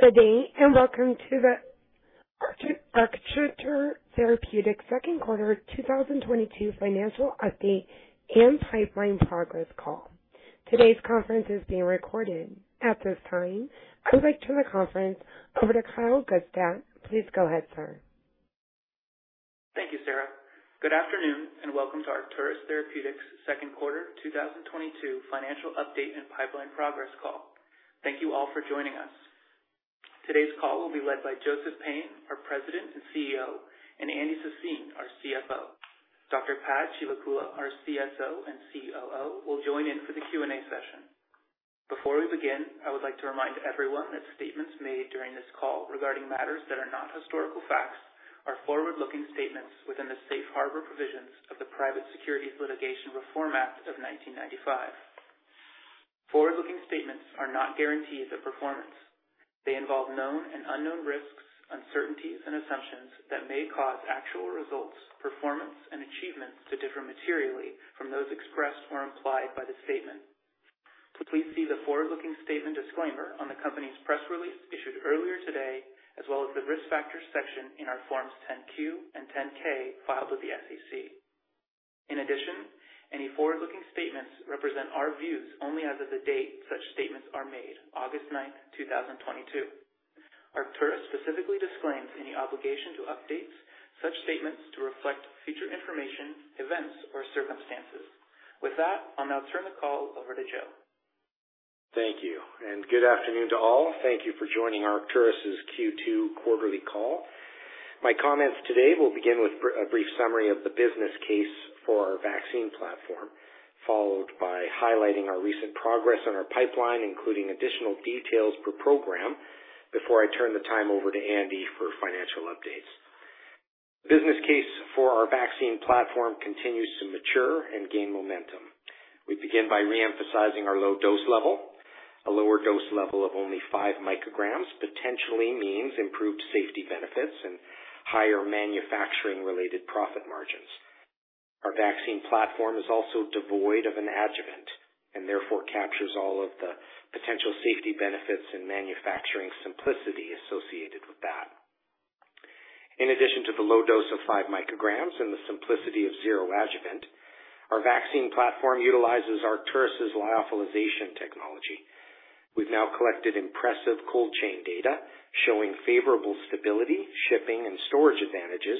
Good day, and welcome to the Arcturus Therapeutics second quarter 2022 financial update and pipeline progress call. Today's conference is being recorded. At this time, I would like to turn the conference over to Kyle Gutsadt. Please go ahead, sir. Thank you, Sarah. Good afternoon, and welcome to Arcturus Therapeutics second quarter 2022 financial update and pipeline progress call. Thank you all for joining us. Today's call will be led by Joseph Payne, our President and CEO, and Andy Sassine, our CFO. Dr. Pad Chivukula, our CSO and COO, will join in for the Q&A session. Before we begin, I would like to remind everyone that statements made during this call regarding matters that are not historical facts are forward-looking statements within the Safe Harbor provisions of the Private Securities Litigation Reform Act of 1995. Forward-looking statements are not guarantees of performance. They involve known and unknown risks, uncertainties, and assumptions that may cause actual results, performance, and achievements to differ materially from those expressed or implied by the statement. Please see the forward-looking statement disclaimer on the company's press release issued earlier today, as well as the Risk Factors section in our Forms 10-Q and 10-K filed with the SEC. In addition, any forward-looking statements represent our views only as of the date such statements are made, August ninth, two thousand and twenty-two. Arcturus specifically disclaims any obligation to update such statements to reflect future information, events, or circumstances. With that, I'll now turn the call over to Joe. Thank you, and good afternoon to all. Thank you for joining Arcturus' Q2 quarterly call. My comments today will begin with a brief summary of the business case for our vaccine platform, followed by highlighting our recent progress on our pipeline, including additional details per program, before I turn the time over to Andy for financial updates. The business case for our vaccine platform continues to mature and gain momentum. We begin by re-emphasizing our low dose level. A lower dose level of only 5 micrograms potentially means improved safety benefits and higher manufacturing-related profit margins. Our vaccine platform is also devoid of an adjuvant and therefore captures all of the potential safety benefits and manufacturing simplicity associated with that. In addition to the low dose of 5 micrograms and the simplicity of zero adjuvant, our vaccine platform utilizes Arcturus' lyophilization technology. We've now collected impressive cold chain data showing favorable stability, shipping, and storage advantages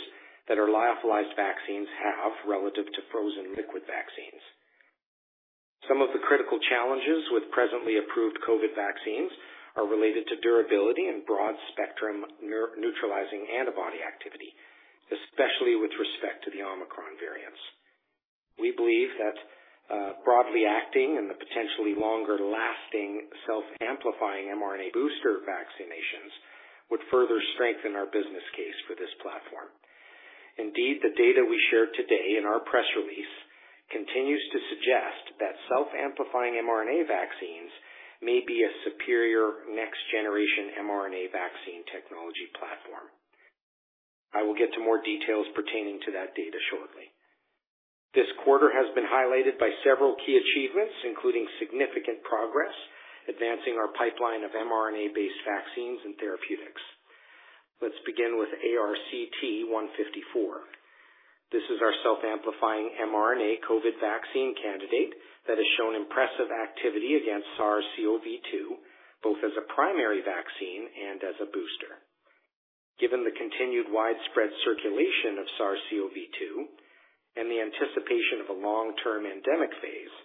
that our lyophilized vaccines have relative to frozen liquid vaccines. Some of the critical challenges with presently approved COVID-19 vaccines are related to durability and broad-spectrum neutralizing antibody activity, especially with respect to the Omicron variants. We believe that broadly acting and the potentially longer-lasting self-amplifying mRNA booster vaccinations would further strengthen our business case for this platform. Indeed, the data we share today in our press release continues to suggest that self-amplifying mRNA vaccines may be a superior next-generation mRNA vaccine technology platform. I will get to more details pertaining to that data shortly. This quarter has been highlighted by several key achievements, including significant progress advancing our pipeline of mRNA-based vaccines and therapeutics. Let's begin with ARCT-154. This is our self-amplifying mRNA COVID-19 vaccine candidate that has shown impressive activity against SARS-CoV-2, both as a primary vaccine and as a booster. Given the continued widespread circulation of SARS-CoV-2 and the anticipation of a long-term endemic phase,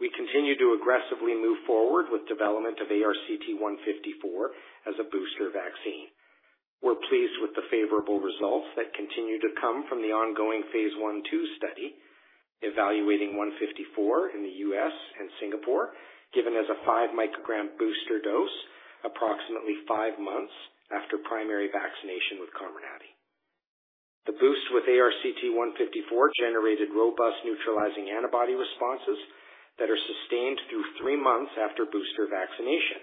we continue to aggressively move forward with development of ARCT-154 as a booster vaccine. We're pleased with the favorable results that continue to come from the ongoing phase I/II study evaluating 154 in the U.S. and Singapore, given as a 5 microgram booster dose approximately five months after primary vaccination with Comirnaty. The boost with ARCT-154 generated robust neutralizing antibody responses that are sustained through three months after booster vaccination.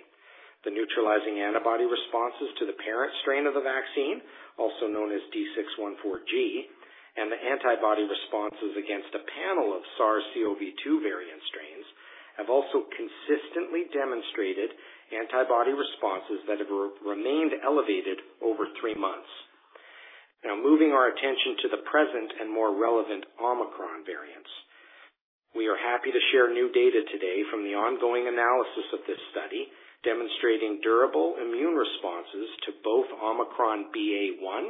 The neutralizing antibody responses to the parent strain of the vaccine, also known as D614G, and the antibody responses against a panel of SARS-CoV-2 variant strains have also consistently demonstrated antibody responses that have remained elevated over three months. Now moving our attention to the present and more relevant Omicron variants. We are happy to share new data today from the ongoing analysis of this study demonstrating durable immune responses to both Omicron BA.1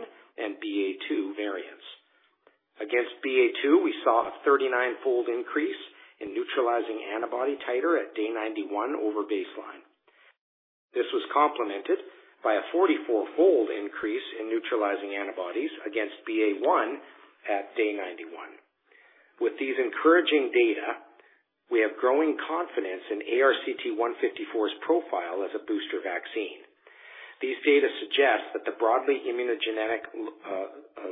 and BA.2 variants. Against BA.2, we saw a 39-fold increase in neutralizing antibody titer at day 91 over baseline. This was complemented by a 44-fold increase in neutralizing antibodies against BA.1 at day 91. With these encouraging data, we have growing confidence in ARCT-154's profile as a booster vaccine. These data suggest that the broadly immunogenic,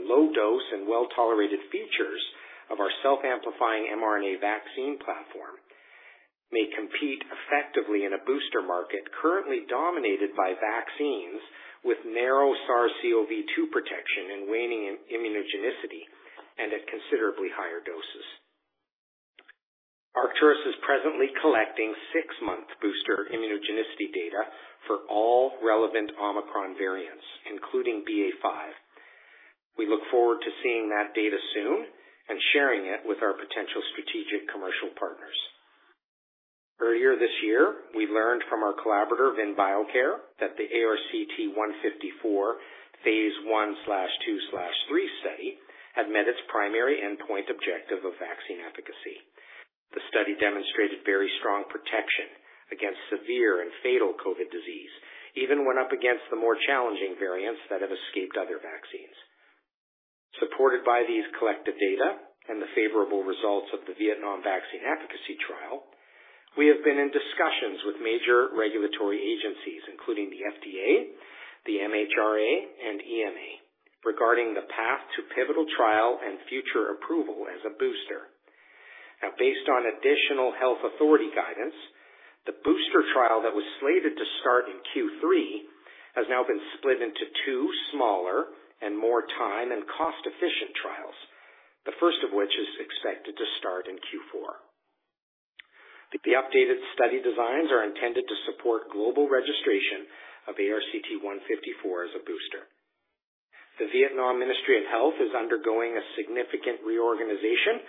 low dose and well-tolerated features of our self-amplifying mRNA vaccine platform may compete effectively in a booster market currently dominated by vaccines with narrow SARS-CoV-2 protection and waning immunogenicity and at considerably higher doses. Arcturus is presently collecting six-month booster immunogenicity data for all relevant Omicron variants, including BA.5. We look forward to seeing that data soon and sharing it with our potential strategic commercial partners. Earlier this year, we learned from our collaborator VinBioCare that the ARCT-154 phase I/II/III study had met its primary endpoint objective of vaccine efficacy. The study demonstrated very strong protection against severe and fatal COVID disease, even when up against the more challenging variants that have escaped other vaccines. Supported by these collective data and the favorable results of the Vietnam Vaccine Efficacy Trial, we have been in discussions with major regulatory agencies, including the FDA, the MHRA, and EMA, regarding the path to pivotal trial and future approval as a booster. Now, based on additional health authority guidance, the booster trial that was slated to start in Q3 has now been split into two smaller and more time and cost-efficient trials, the first of which is expected to start in Q4. The updated study designs are intended to support global registration of ARCT-154 as a booster. The Vietnam Ministry of Health is undergoing a significant reorganization,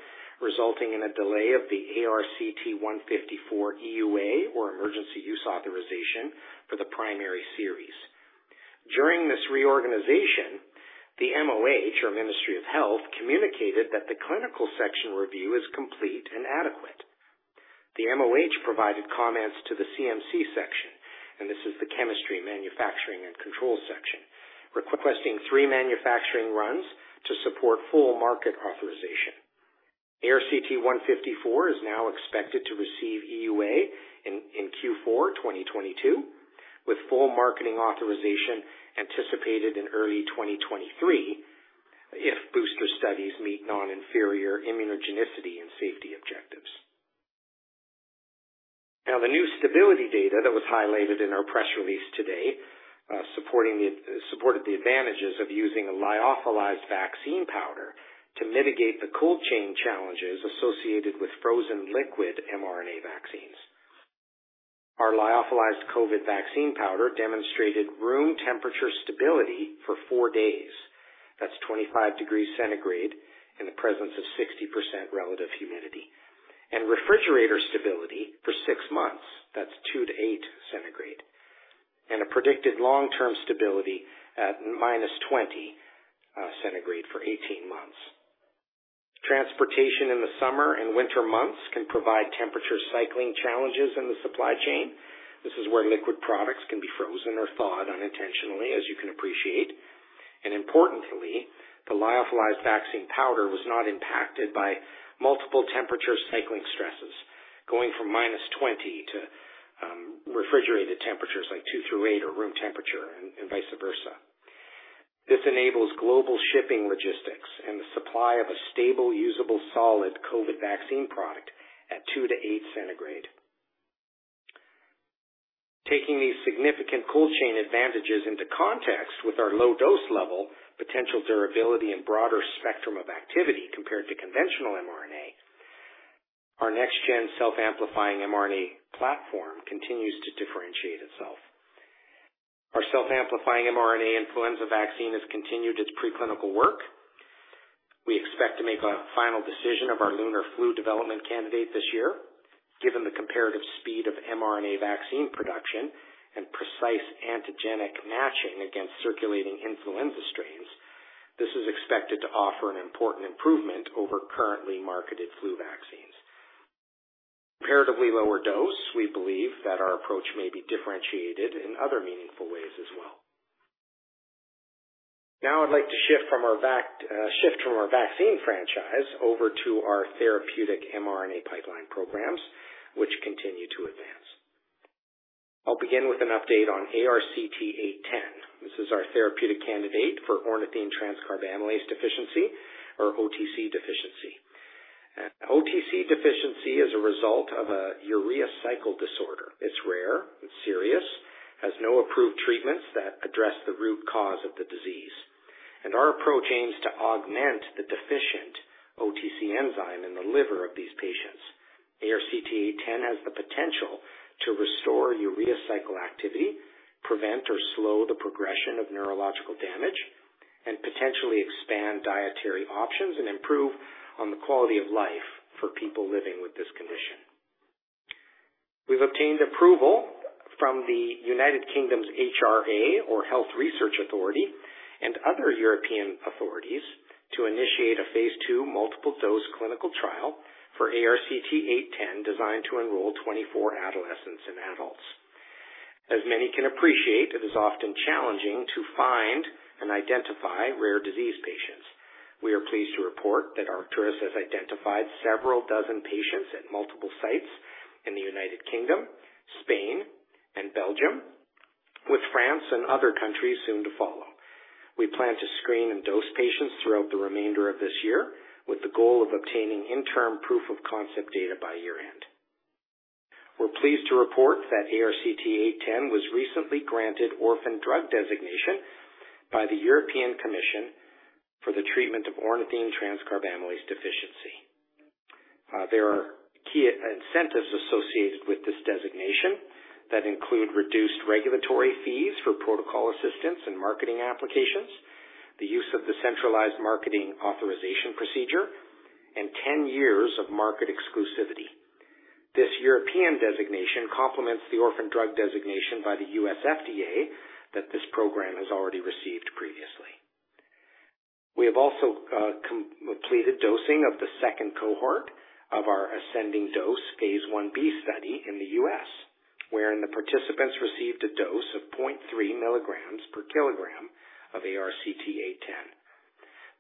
resulting in a delay of the ARCT-154 EUA, or Emergency Use Authorization, for the primary series. During this reorganization, the MOH, or Ministry of Health, communicated that the clinical section review is complete and adequate. The MOH provided comments to the CMC section, and this is the Chemistry, Manufacturing and Control section, requesting three manufacturing runs to support full market authorization. ARCT-154 is now expected to receive EUA in Q4 2022, with full marketing authorization anticipated in early 2023 if booster studies meet non-inferior immunogenicity and safety objectives. Now the new stability data that was highlighted in our press release today, supported the advantages of using a lyophilized vaccine powder to mitigate the cold chain challenges associated with frozen liquid mRNA vaccines. Our lyophilized COVID vaccine powder demonstrated room temperature stability for four days. That's 25 degrees Centigrade in the presence of 60% relative humidity. Refrigerator stability for six months. That's 2 degrees Centigrade-8 degrees Centigrade. A predicted long-term stability at -20 degrees Centigrade for 18 months. Transportation in the summer and winter months can provide temperature cycling challenges in the supply chain. This is where liquid products can be frozen or thawed unintentionally, as you can appreciate. Importantly, the lyophilized vaccine powder was not impacted by multiple temperature cycling stresses, going from -20 degrees Centigrade to refrigerated temperatures like 2 degrees Centigrade-8 degrees Centigrade or room temperature and vice versa. This enables global shipping logistics and the supply of a stable usable solid COVID vaccine product at 2 degrees Centigrade-8 degrees centigrade. Taking these significant cold chain advantages into context with our low dose level, potential durability and broader spectrum of activity compared to conventional mRNA, our next gen self-amplifying mRNA platform continues to differentiate itself. Our self-amplifying mRNA influenza vaccine has continued its pre-clinical work. We expect to make a final decision of our LUNAR-FLU development candidate this year. Given the comparative speed of mRNA vaccine production and precise antigenic matching against circulating influenza strains, this is expected to offer an important improvement over currently marketed flu vaccines. Comparatively lower dose, we believe that our approach may be differentiated in other meaningful ways as well. Now I'd like to shift from our vaccine franchise over to our therapeutic mRNA pipeline programs, which continue to advance. I'll begin with an update on ARCT-810. This is our therapeutic candidate for ornithine transcarbamylase deficiency, or OTC deficiency. OTC deficiency is a result of a urea cycle disorder. It's rare and serious, has no approved treatments that address the root cause of the disease, and our approach aims to augment the deficient OTC enzyme in the liver of these patients. ARCT-810 has the potential to restore urea cycle activity, prevent or slow the progression of neurological damage, and potentially expand dietary options and improve on the quality of life for people living with this condition. We've obtained approval from the United Kingdom's HRA, or Health Research Authority, and other European authorities to initiate a phase II multiple dose clinical trial for ARCT-810 designed to enroll 24 adolescents and adults. As many can appreciate, it is often challenging to find and identify rare disease patients. We are pleased to report that Arcturus has identified several dozen patients at multiple sites in the United Kingdom, Spain, and Belgium, with France and other countries soon to follow. We plan to screen and dose patients throughout the remainder of this year with the goal of obtaining interim proof of concept data by year end. We're pleased to report that ARCT-810 was recently granted orphan drug designation by the European Commission for the treatment of ornithine transcarbamylase deficiency. There are key incentives associated with this designation that include reduced regulatory fees for protocol assistance and marketing applications, the use of the centralized marketing authorization procedure, and 10 years of market exclusivity. This European designation complements the orphan drug designation by the U.S. FDA that this program has already received previously. We have also completed dosing of the second cohort of our ascending dose phase I-B study in the U.S., wherein the participants received a dose of 0.3 mg per kg of ARCT-810.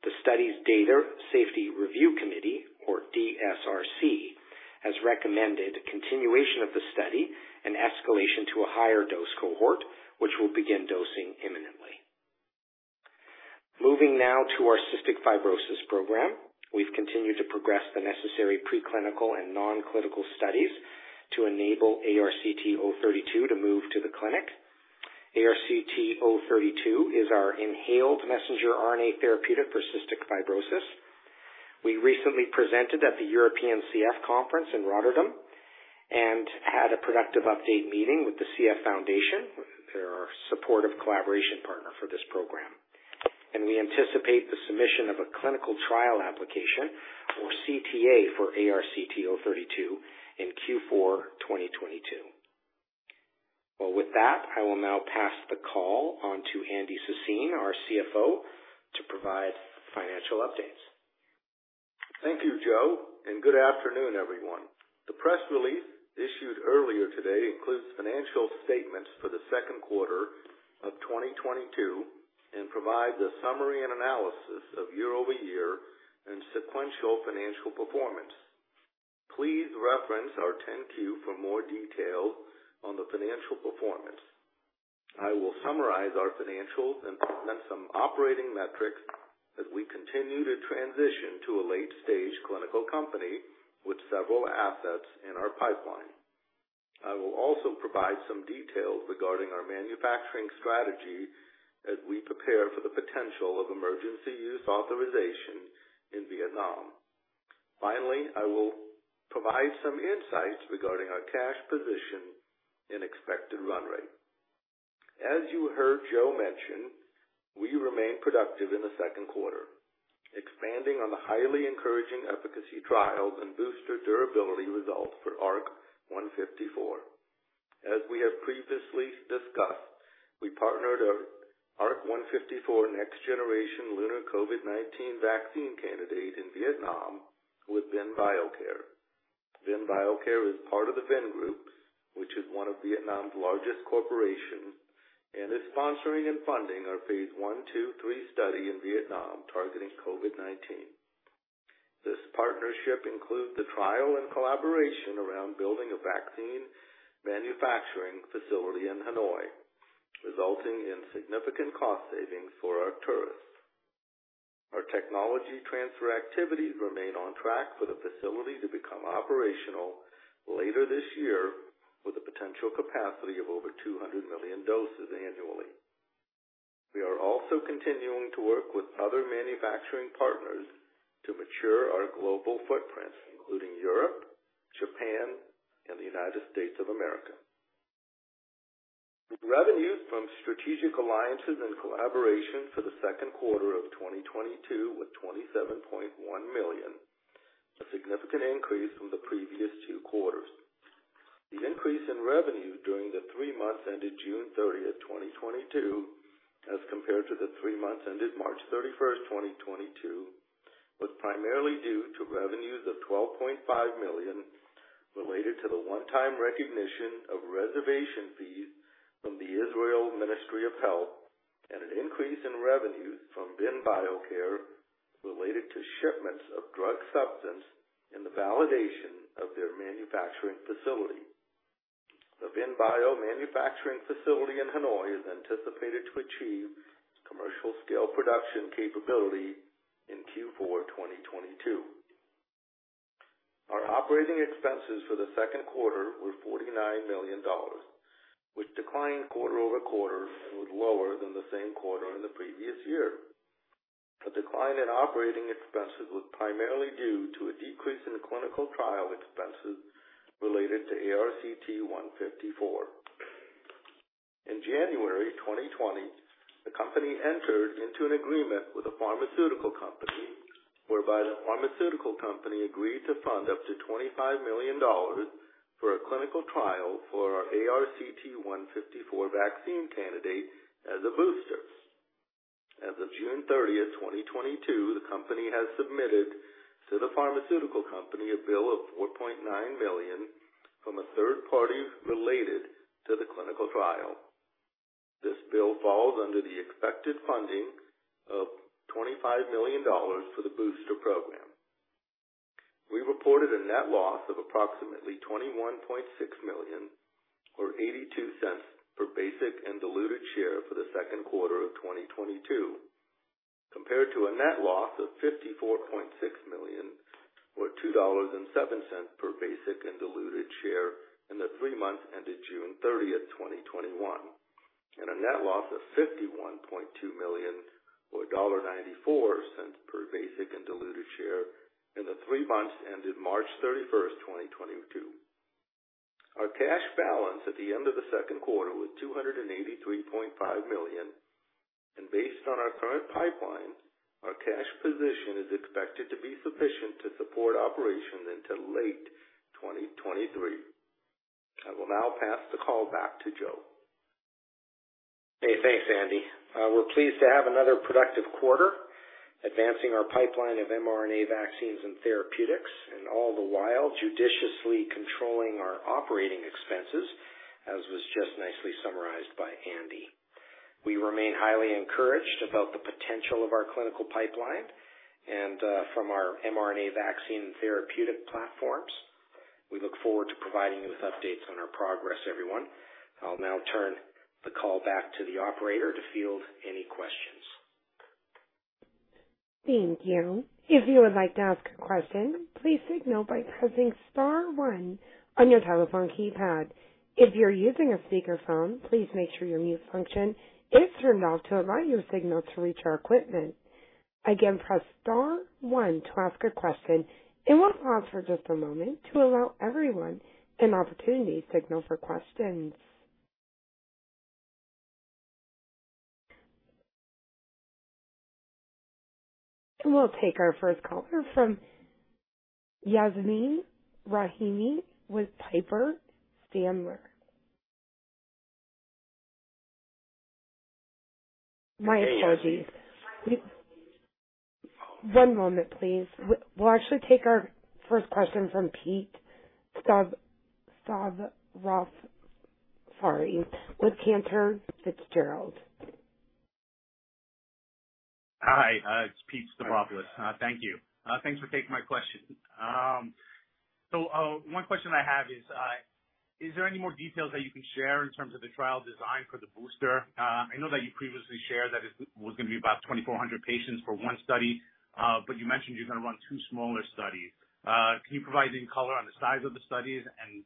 The study's Data Safety Review Committee, or DSRC, has recommended continuation of the study and escalation to a higher dose cohort, which will begin dosing imminently. Moving now to our cystic fibrosis program. We've continued to progress the necessary preclinical and non-clinical studies to enable ARCT-032 to move to the clinic. ARCT-032 is our inhaled messenger RNA therapeutic for cystic fibrosis. We recently presented at the European Cystic Fibrosis Conference in Rotterdam and had a productive update meeting with the Cystic Fibrosis Foundation. They're our supportive collaboration partner for this program. We anticipate the submission of a clinical trial application or CTA for ARCT-032 in Q4 2022. Well, with that, I will now pass the call on to Andy Sassine, our CFO, to provide financial updates. Thank you, Joe, and good afternoon, everyone. The press release issued earlier today includes financial statements for the second quarter of 2022 and provides a summary and analysis of year-over-year and sequential financial performance. Please reference our 10-Q for more details on the financial performance. I will summarize our financials and present some operating metrics as we continue to transition to a late-stage clinical company with several assets in our pipeline. I will also provide some details regarding our manufacturing strategy as we prepare for the potential of emergency use authorization in Vietnam. Finally, I will provide some insights regarding our cash position and expected run rate. As you heard Joe mention, we remain productive in the second quarter, expanding on the highly encouraging efficacy trials and booster durability results for ARCT-154. As we have previously discussed, we partnered ARCT-154 next-generation LUNAR COVID-19 vaccine candidate in Vietnam with VinBioCare. VinBioCare is part of the Vingroup, which is one of Vietnam's largest corporations, and is sponsoring and funding our phase I, II, III study in Vietnam targeting COVID-19. This partnership includes the trial and collaboration around building a vaccine manufacturing facility in Hanoi, resulting in significant cost savings for Arcturus. Our technology transfer activities remain on track for the facility to become operational later this year with a potential capacity of over 200 million doses annually. We are also continuing to work with other manufacturing partners to mature our global footprint, including Europe, Japan, and the United States of America. Revenues from strategic alliances and collaborations for the second quarter of 2022 were $27.1 million, a significant increase from the previous two quarters. The increase in revenue during the three months ended June 30th, 2022, as compared to the three months ended March 31st, 2022, was primarily due to revenues of $12.5 million related to the one-time recognition of reservation fees from the Israel Ministry of Health and an increase in revenues from VinBioCare related to shipments of drug substance in the validation of their manufacturing facility. The VinBioCare manufacturing facility in Hanoi is anticipated to achieve commercial scale production capability in Q4 2022. Our operating expenses for the second quarter were $49 million, which declined quarter-over-quarter and was lower than the same quarter in the previous year. The decline in operating expenses was primarily due to a decrease in clinical trial expenses related to ARCT-154. In January 2020, the company entered into an agreement with a pharmaceutical company whereby the pharmaceutical company agreed to fund up to $25 million for a clinical trial for our ARCT-154 vaccine candidate as a booster. As of June 30th, 2022, the company has submitted to the pharmaceutical company a bill of $4.9 million from a third party related to the clinical trial. This bill falls under the expected funding of $25 million for the booster program. We reported a net loss of approximately $21.6 million or $0.82 per basic and diluted share for the second quarter of 2022, compared to a net loss of $54.6 million or $2.07 per basic and diluted share in the three months ended June 30th, 2021. A net loss of $51.2 million or $1.94 per basic and diluted share in the three months ended March 31st, 2022. Our cash balance at the end of the second quarter was $283.5 million, and based on our current pipeline, our cash position is expected to be sufficient to support operations until late 2023. I will now pass the call back to Joe. Hey, thanks, Andy. We're pleased to have another productive quarter, advancing our pipeline of mRNA vaccines and therapeutics, and all the while judiciously controlling our operating expenses, as was just nicely summarized by Andy. We remain highly encouraged about the potential of our clinical pipeline and from our mRNA vaccine therapeutic platforms. We look forward to providing you with updates on our progress, everyone. I'll now turn the call back to the operator to field any questions. Thank you. If you would like to ask a question, please signal by pressing star one on your telephone keypad. If you're using a speakerphone, please make sure your mute function is turned off to allow your signal to reach our equipment. Again, press star one to ask a question, and we'll pause for just a moment to allow everyone an opportunity to signal for questions. We'll take our first caller from Yasmeen Rahimi with Piper Sandler. My apologies. One moment, please. We'll actually take our first question from Pete Stavropoulos, sorry, with Cantor Fitzgerald. Hi, it's Pete Stavropoulos. Thank you. Thanks for taking my question. So, one question I have is there any more details that you can share in terms of the trial design for the booster? I know that you previously shared that it was gonna be about 2,400 patients for one study, but you mentioned you're gonna run two smaller studies. Can you provide any color on the size of the studies and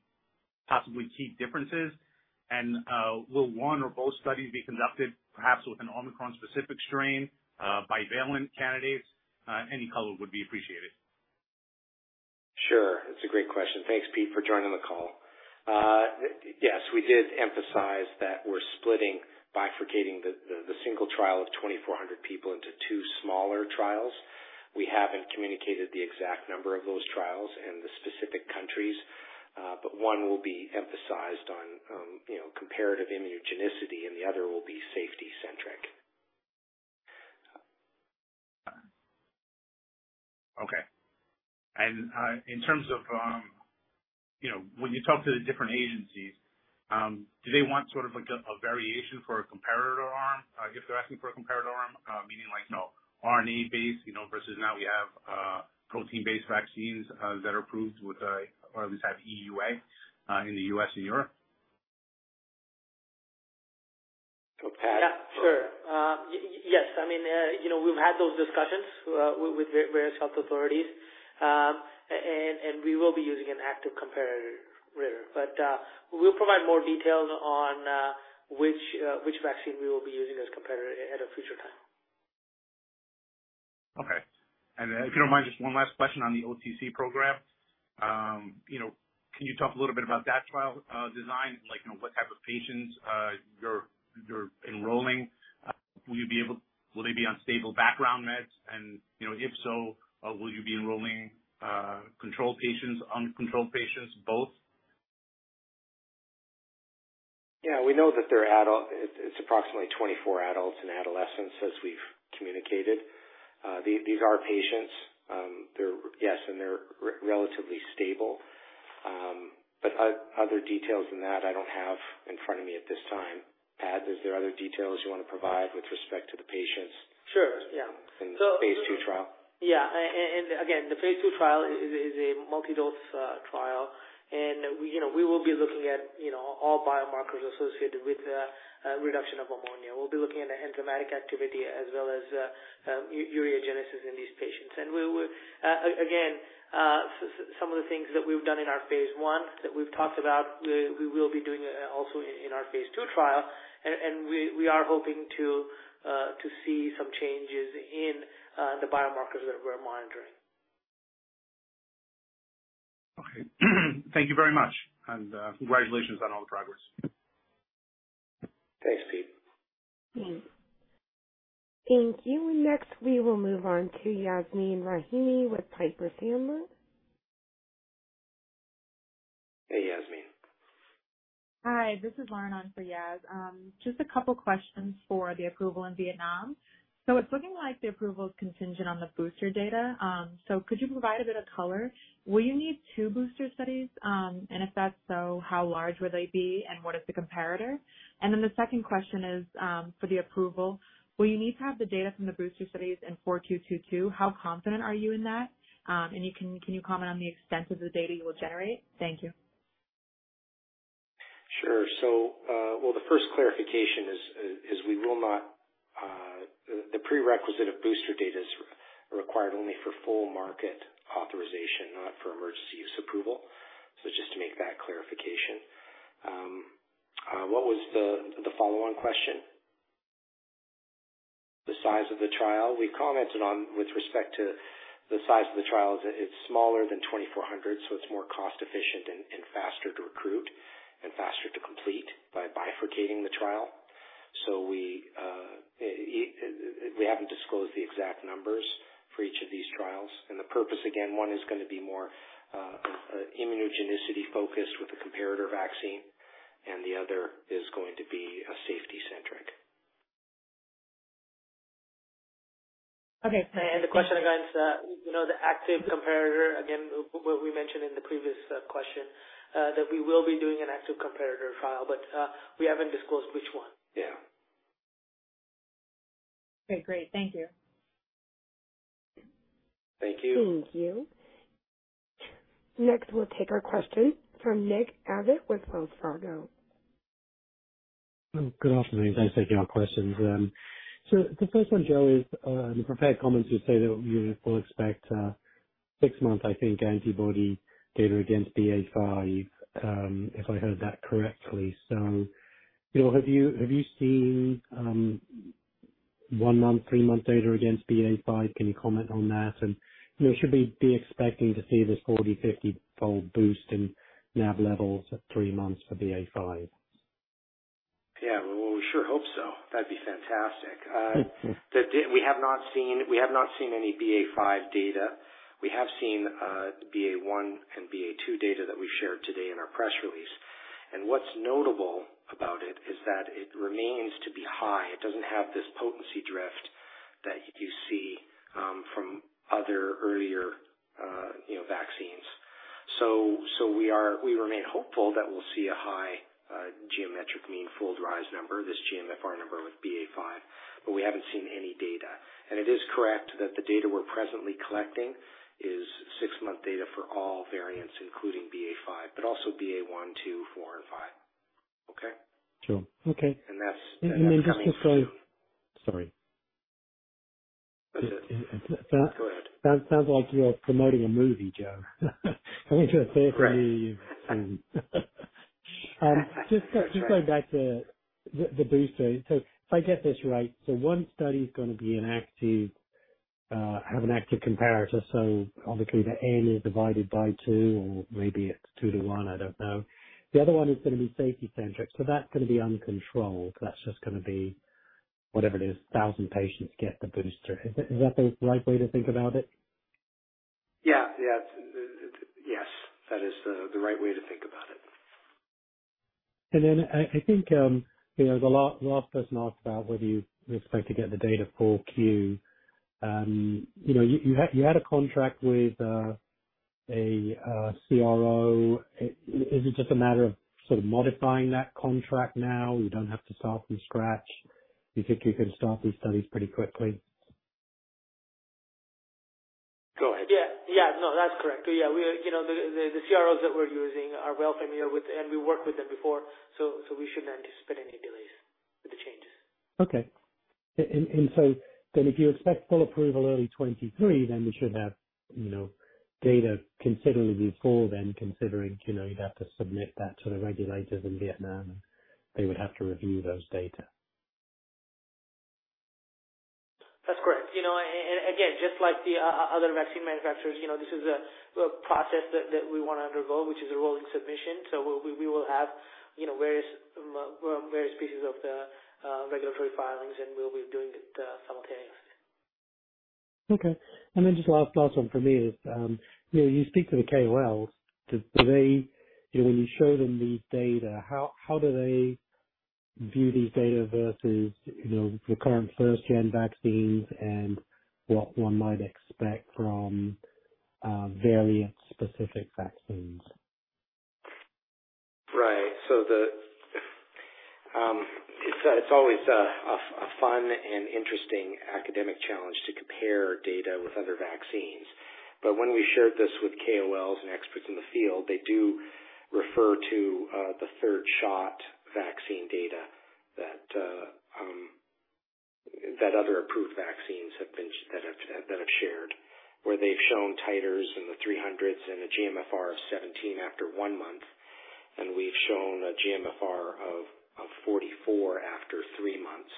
possibly key differences? Will one or both studies be conducted perhaps with an Omicron specific strain, bivalent candidates? Any color would be appreciated. Sure. It's a great question. Thanks, Pete, for joining the call. Yes, we did emphasize that we're splitting, bifurcating the single trial of 2,400 people into two smaller trials. We haven't communicated the exact number of those trials and the specific countries, but one will be emphasized on, you know, comparative immunogenicity, and the other will be safety centric. Okay. In terms of, you know, when you talk to the different agencies, do they want sort of a variation for a comparator arm, if they're asking for a comparator arm, meaning like, you know, RNA-based, you know, versus now we have, protein-based vaccines, that are approved or at least have EUA, in the U.S. and Europe? Pad Yeah, sure. Yes. I mean, you know, we've had those discussions with various health authorities, and we will be using an active comparator. We'll provide more details on which vaccine we will be using as comparator at a future time. Okay. If you don't mind, just one last question on the OTC program. You know, can you talk a little bit about that trial design, like, you know, what type of patients you're enrolling? Will they be on stable background meds? You know, if so, will you be enrolling controlled patients, uncontrolled patients, both? Yeah, we know that they're adults. It's approximately 24 adults and adolescents, as we've communicated. These are patients. Yes, and they're relatively stable. Other details than that I don't have in front of me at this time. Pad, is there other details you wanna provide with respect to the patients? Sure, yeah. In the phase II trial? Again, the phase II trial is a multi-dose trial. We, you know, we will be looking at, you know, all biomarkers associated with the reduction of ammonia. We'll be looking at the enzymatic activity as well as ureagenesis in these patients. We will again, some of the things that we've done in our phase one that we've talked about, we will be doing also in our phase II trial. We are hoping to see some changes in the biomarkers that we're monitoring. Okay. Thank you very much, and congratulations on all the progress. Thanks, Pete. Thank you. Next, we will move on to Yasmeen Rahimi with Piper Sandler. Hey, Yasmeen. Hi, this is Lauren on for Yasmeen. Just a couple questions for the approval in Vietnam. It's looking like the approval is contingent on the booster data. Could you provide a bit of color? Will you need two booster studies? If that's so, how large would they be, and what is the comparator? The second question is, for the approval, will you need to have the data from the booster studies in Q4 2022? How confident are you in that? Can you comment on the extent of the data you will generate? Thank you. Sure. The first clarification is the prerequisite of booster data is required only for full market authorization, not for emergency use approval. Just to make that clarification. What was the follow-on question? The size of the trial. We've commented on with respect to the size of the trial, is that it's smaller than 2,400, so it's more cost-efficient and faster to recruit and faster to complete by bifurcating the trial. We haven't disclosed the exact numbers for each of these trials. The purpose, again, one is gonna be more immunogenicity focused with the comparator vaccine, and the other is going to be safety-centric. Okay. The question, again, is, you know, the active comparator, again, we mentioned in the previous question that we will be doing an active comparator trial, but we haven't disclosed which one. Yeah. Okay, great. Thank you. Thank you. Thank you. Next, we'll take our question from Nick Abbott with Wells Fargo. Good afternoon. Thanks for taking our questions. The first one, Joe, is in the prepared comments you say that you will expect six months, I think, antibody data against BA.5, if I heard that correctly. You know, have you seen one month, three month data against BA.5? Can you comment on that? You know, should we be expecting to see this 40, 50-fold boost in NAb levels at three months for BA.5? Yeah. Well, we sure hope so. That'd be fantastic. We have not seen any BA.5 data. We have seen the BA.1 and BA.2 data that we've shared today in our press release. What's notable about it is that it remains to be high. It doesn't have this potency drift that you see from other earlier vaccines. We remain hopeful that we'll see a high geometric mean fold rise number, this GMFR number with BA.5, but we haven't seen any data. It is correct that the data we're presently collecting is six-month data for all variants, including BA.5, but also BA.1, BA.2, BA.4 and BA.5. Okay? Sure. Okay. That's coming soon. Sorry. That's it. Go ahead. Sounds like you're promoting a movie, Joe. I need you to say for me. Just going back to the booster. If I get this right, one study is gonna be an active comparator, obviously the N is divided by two, or maybe it's two to one, I don't know. The other one is gonna be safety-centric, that's gonna be uncontrolled. That's just gonna be whatever it is, 1,000 patients get the booster. Is that the right way to think about it? Yeah. Yes. Yes, that is the right way to think about it. I think you know, the last person asked about whether you expect to get the data for Q. You know, you had a contract with a CRO. Is it just a matter of sort of modifying that contract now? You don't have to start from scratch. You think you can start these studies pretty quickly? Go ahead. Yeah. No, that's correct. Yeah, we, you know, the CROs that we're using are well familiar with, and we worked with them before, so we shouldn't anticipate any delays with the changes. If you expect full approval early 2023, then we should have, you know, data considerably before then, considering, you know, you'd have to submit that to the regulators in Vietnam, and they would have to review those data. That's correct. You know, and again, just like the other vaccine manufacturers, you know, this is a process that we wanna undergo, which is a rolling submission. We will have, you know, various pieces of the regulatory filings, and we'll be doing it simultaneously. Okay. Just last one from me is, you know, you speak to the KOLs. Do they, you know, when you show them these data, how do they view these data versus, you know, the current first-gen vaccines and what one might expect from variant-specific vaccines? Right. It's always a fun and interesting academic challenge to compare data with other vaccines. When we shared this with KOLs and experts in the field, they do refer to the third shot vaccine data that other approved vaccines have shared, where they've shown titers in the 300s and a GMFR of 17 after one month, and we've shown a GMFR of 44 after three months.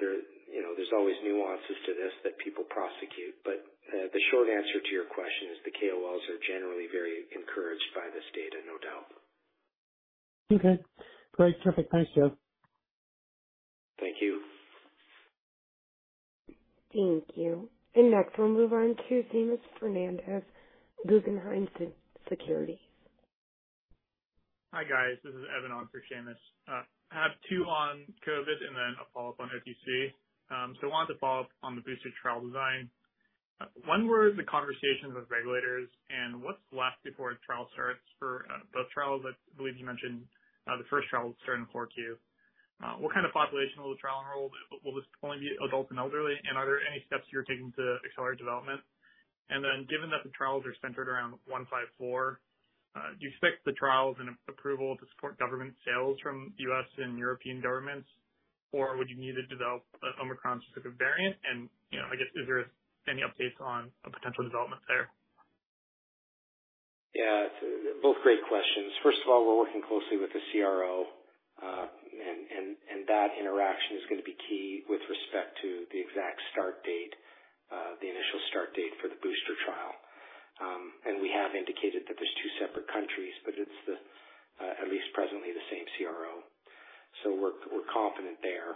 There you know there's always nuances to this that people prosecute. The short answer to your question is the KOLs are generally very encouraged by this data, no doubt. Okay. Great. Terrific. Thanks, Joe. Thank you. Thank you. Next, we'll move on to Seamus Fernandez, Guggenheim Securities. Hi, guys. This is Evan on for Seamus. I have two on COVID and then a follow-up on OTC. I wanted to follow up on the booster trial design. One, where is the conversations with regulators and what's left before a trial starts for both trials? I believe you mentioned the first trial will start in 4Q. What kind of population will the trial enroll? Will this only be adult and elderly? And are there any steps you're taking to accelerate development? And then given that the trials are centered around ARCT-154, do you expect the trials and approval to support government sales from U.S. and European governments? Or would you need to develop a Omicron-specific variant? And, you know, I guess, is there any updates on a potential development there? Yeah. Both great questions. First of all, we're working closely with the CRO, and that interaction is gonna be key with respect to the exact start date, the initial start date for the booster trial. We have indicated that there are two separate countries, but it's, at least presently the same CRO. We're confident there.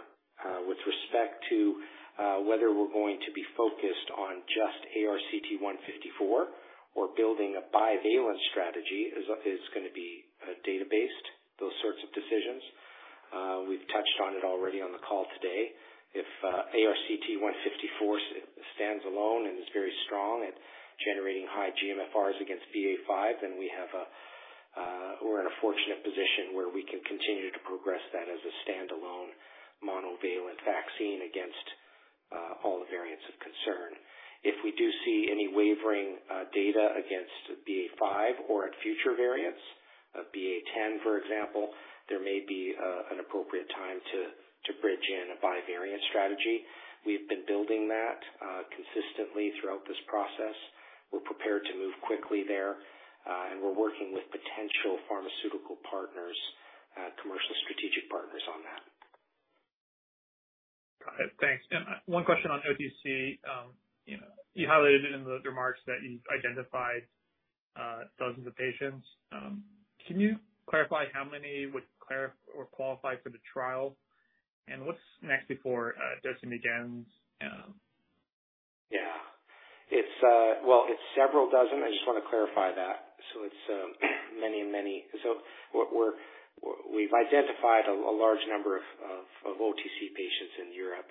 With respect to whether we're going to be focused on just ARCT-154 or building a bivalent strategy is gonna be data-based, those sorts of decisions. We've touched on it already on the call today. If ARCT-154 stands alone and is very strong at generating high GMFRs against BA.5, then we're in a fortunate position where we can continue to progress that as a standalone monovalent vaccine against all the variants of concern. If we do see any wavering data against BA.5 or at future variants, BA.10, for example, there may be an appropriate time to bridge in a bivalent strategy. We've been building that consistently throughout this process. We're prepared to move quickly there, and we're working with potential pharmaceutical partners, commercial strategic partners on that. Got it. Thanks. One question on OTC. You know, you highlighted in the remarks that you've identified dozens of patients. Can you clarify how many would or qualify for the trial? What's next before dosing begins? Yeah. It's well, it's several dozen. I just wanna clarify that. It's many, many. We've identified a large number of OTC patients in Europe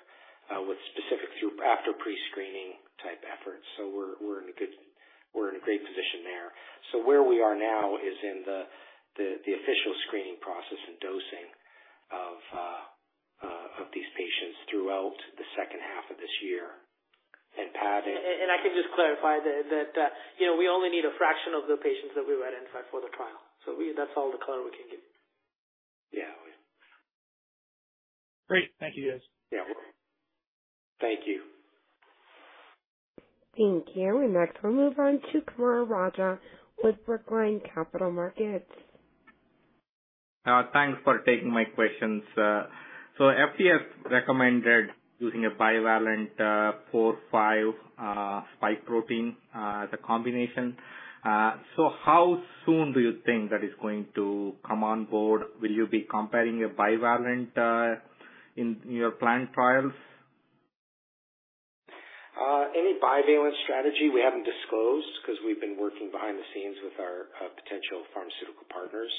with specifics through our pre-screening-type efforts. We're in a great position there. Where we are now is in the official screening process and dosing of these patients throughout the second half of this year. Pad- I can just clarify that, you know, we only need a fraction of the patients that we identified for the trial. That's all the color we can give you. Yeah. Great. Thank you, guys. Yeah. Thank you. Thank you. We next will move on to Kumaraguru Raja with Brookline Capital Markets. Thanks for taking my questions. FDA recommended using a bivalent BA.4/BA.5 spike protein combination. How soon do you think that is going to come on board? Will you be comparing a bivalent in your planned trials? Any bivalent strategy we haven't disclosed 'cause we've been working behind the scenes with our potential pharmaceutical partners,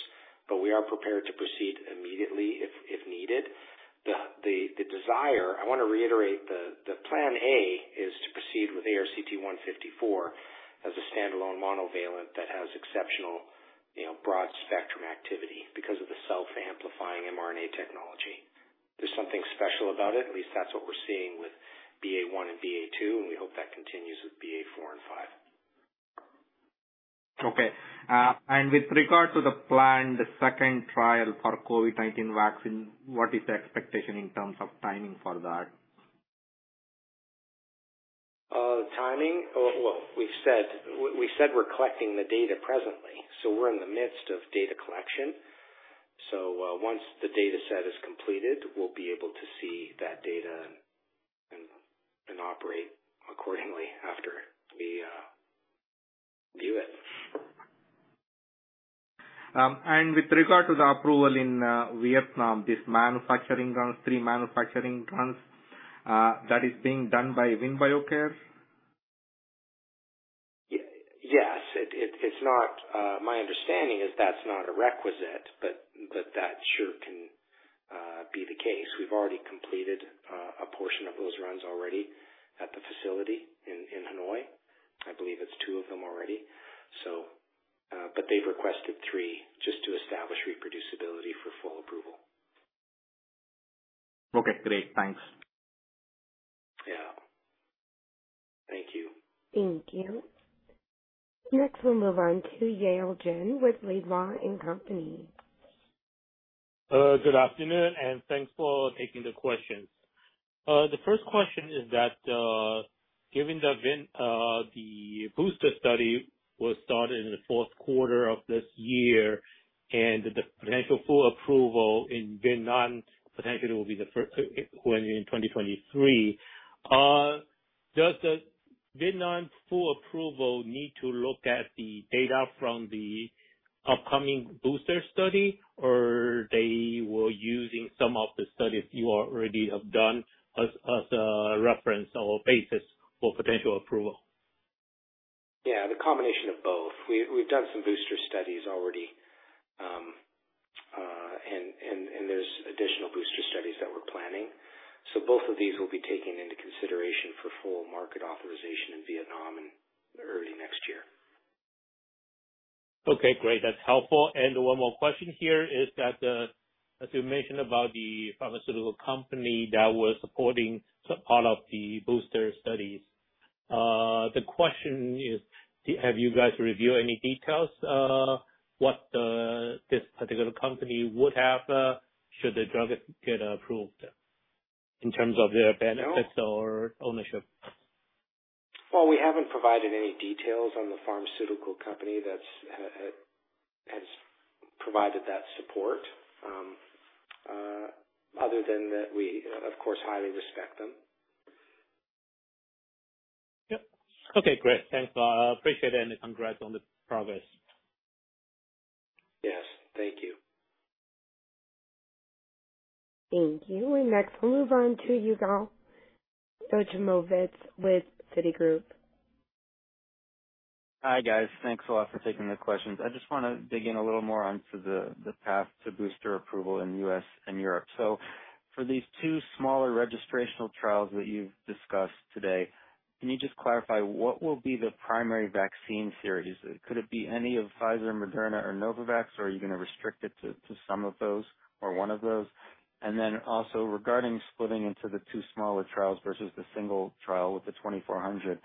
but we are prepared to proceed immediately if needed. I wanna reiterate the plan A is to proceed with ARCT-154 as a standalone monovalent that has exceptional, you know, broad spectrum activity because of the self-amplifying mRNA technology. There's something special about it, at least that's what we're seeing with BA.1 and BA.2, and we hope that continues with BA.4 and BA.5. Okay. With regard to the planned second trial for COVID-19 vaccine, what is the expectation in terms of timing for that? Timing? Well, we've said we're collecting the data presently, so we're in the midst of data collection. Once the dataset is completed, we'll be able to see that data and operate accordingly after we view it. With regard to the approval in Vietnam, three manufacturing runs that is being done by VinBioCare? Yes. It's not my understanding is that's not a requisite, but that sure can be the case. We've already completed a portion of those runs already at the facility in Hanoi. I believe it's two of them already. But they've requested three just to establish reproducibility for full approval. Okay, great. Thanks. Yeah. Thank you. Thank you. Next, we'll move on to Yale Jen with Laidlaw and Company. Good afternoon, and thanks for taking the questions. The first question is that, given the booster study was started in the fourth quarter of this year, and the potential full approval in Vietnam potentially will be when in 2023. Does the Vietnam full approval need to look at the data from the upcoming booster study, or they were using some of the studies you already have done as a reference or basis for potential approval? Yeah, the combination of both. We've done some booster studies already, and there's additional booster studies that we're planning. Both of these will be taken into consideration for full market authorization in Vietnam in early next year. Okay, great. That's helpful. One more question here is that, as you mentioned about the pharmaceutical company that was supporting some part of the booster studies. The question is, have you guys reviewed any details, what this particular company would have, should the drug get approved, in terms of their benefits or ownership? Well, we haven't provided any details on the pharmaceutical company that has provided that support. Other than that, we, of course, highly respect them. Yep. Okay, great. Thanks. Appreciate it. Congrats on the progress. Yes, thank you. Thank you. We next move on to Yigal Nochomovitz with Citigroup. Hi, guys. Thanks a lot for taking the questions. I just wanna dig in a little more onto the path to booster approval in U.S. and Europe. For these two smaller registrational trials that you've discussed today, can you just clarify what will be the primary vaccine series? Could it be any of Pfizer, Moderna, or Novavax, or are you gonna restrict it to some of those or one of those? Then also regarding splitting into the two smaller trials versus the single trial with the 2,400,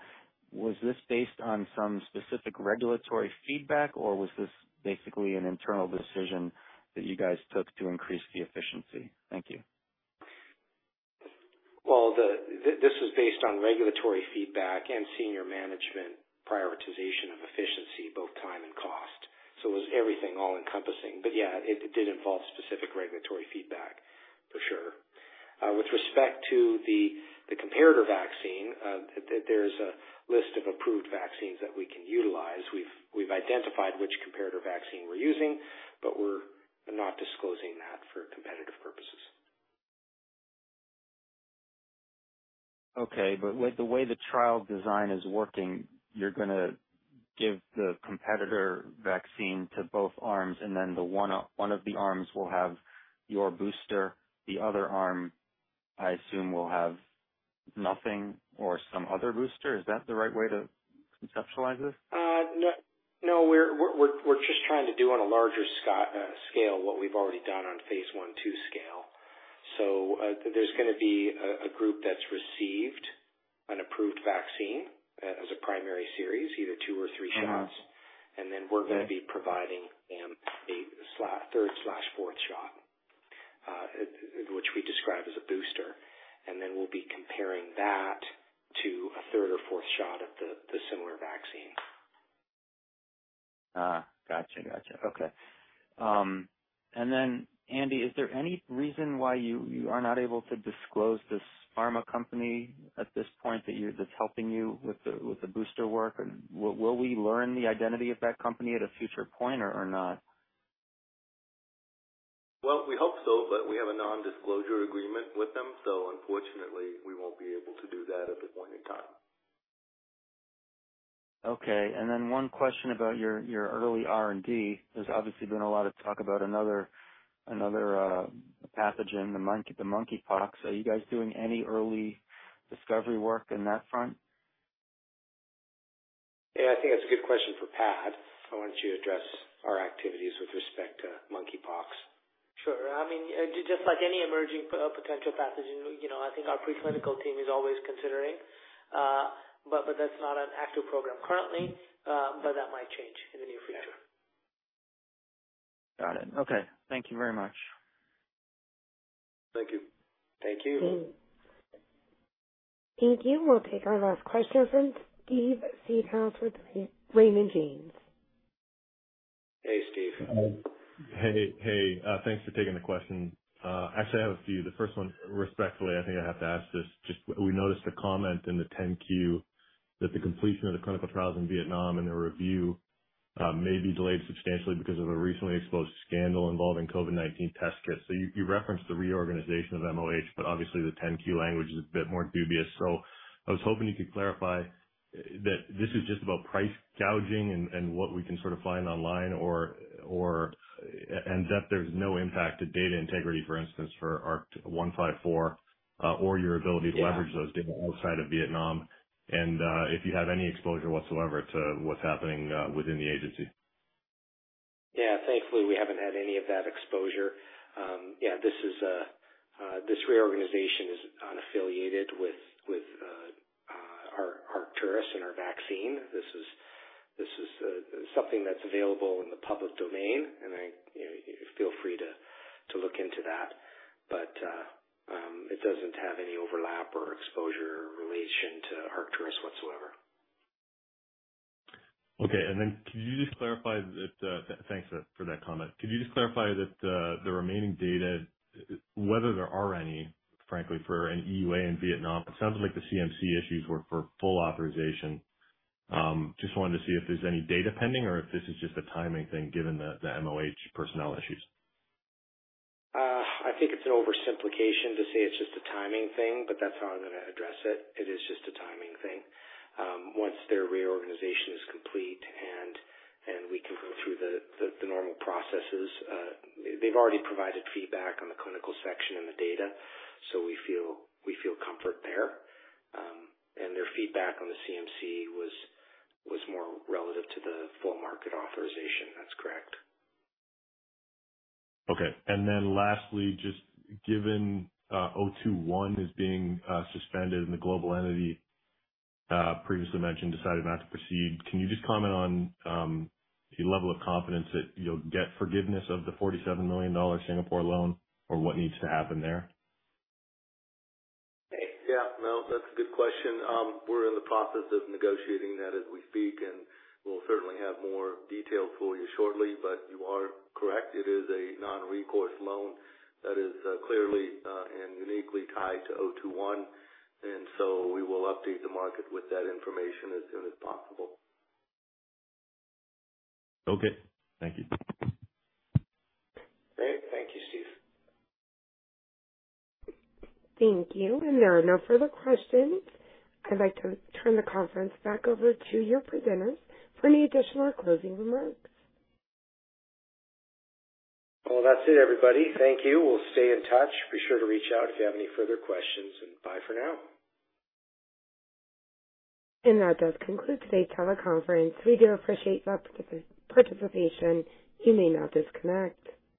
was this based on some specific regulatory feedback, or was this basically an internal decision that you guys took to increase the efficiency? Thank you. Well, this was based on regulatory feedback and senior management prioritization of efficiency, both time and cost. It was everything all-encompassing. Yeah, it did involve specific regulatory feedback for sure. With respect to the comparator vaccine, there's a list of approved vaccines that we can utilize. We've identified which comparator vaccine we're using, but we're not disclosing that for competitive purposes. Okay, with the way the trial design is working, you're gonna give the competitor vaccine to both arms and then one of the arms will have your booster, the other arm, I assume, will have nothing or some other booster. Is that the right way to conceptualize this? No, we're just trying to do on a larger scale what we've already done on phase I/II scale. There's gonna be a group that's received an approved vaccine as a primary series, either two or three shots. Mm-hmm. We're gonna be providing them a third or fourth shot, which we describe as a booster. We'll be comparing that to a third or fourth shot of the similar vaccine. Gotcha. Okay. Andy, is there any reason why you are not able to disclose this pharma company at this point that's helping you with the booster work? Will we learn the identity of that company at a future point or not? Well, we hope so, but we have a non-disclosure agreement with them, so unfortunately we won't be able to do that at this point in time. Okay. Then one question about your early R&D. There's obviously been a lot of talk about another pathogen, the monkeypox. Are you guys doing any early discovery work in that front? Yeah, I think that's a good question for Pad. Why don't you address our activities with respect to monkeypox? Sure. I mean, just like any emerging potential pathogen, you know, I think our pre-clinical team is always considering. But that's not an active program currently, but that might change in the near future. Got it. Okay. Thank you very much. Thank you. Thank you. We'll take our last question from Steve Seedhouse with Raymond James. Hey, Steve. Thanks for taking the question. Actually, I have a few. The first one, respectfully, I think I have to ask this, just we noticed a comment in the 10-Q that the completion of the clinical trials in Vietnam and the review may be delayed substantially because of a recently exposed scandal involving COVID-19 test kits. You referenced the reorganization of MOH, but obviously the 10-Q language is a bit more dubious. I was hoping you could clarify that this is just about price gouging and what we can sort of find online. That there's no impact to data integrity, for instance, for ARCT-154 or your ability to leverage those data outside of Vietnam. If you have any exposure whatsoever to what's happening within the agency. Yeah. Thankfully we haven't had any of that exposure. This reorganization is unaffiliated with Arcturus and our vaccine. This is something that's available in the public domain, and you know, you feel free to look into that. It doesn't have any overlap or exposure or relation to Arcturus whatsoever. Okay. Thanks for that comment. Could you just clarify that, the remaining data, whether there are any, frankly, for an EUA in Vietnam? It sounds like the CMC issues were for full authorization. Just wanted to see if there's any data pending or if this is just a timing thing given the MOH personnel issues. I think it's an oversimplification to say it's just a timing thing, but that's how I'm gonna address it. It is just a timing thing. Once their reorganization is complete and we can go through the normal processes. They've already provided feedback on the clinical section and the data, so we feel comfort there. And their feedback on the CMC was more relative to the full market authorization. That's correct. Okay. Lastly, just given ARCT-021 is being suspended and the global entity previously mentioned decided not to proceed, can you just comment on the level of confidence that you'll get forgiveness of the $47 million Singapore loan or what needs to happen there? Yeah. No, that's a good question. We're in the process of negotiating that as we speak, and we'll certainly have more details for you shortly. You are correct, it is a non-recourse loan that is clearly and uniquely tied to ARCT-021, and so we will update the market with that information as soon as possible. Okay. Thank you. Great. Thank you, Steve. Thank you. There are no further questions. I'd like to turn the conference back over to your presenters for any additional or closing remarks. Well, that's it, everybody. Thank you. We'll stay in touch. Be sure to reach out if you have any further questions, and bye for now. That does conclude today's teleconference. We do appreciate your participation. You may now disconnect.